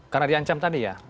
karena diancam tadi ya